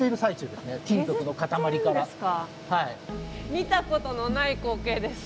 見たことのない光景です。